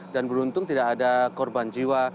dan beruntung tidak ada korban jiwa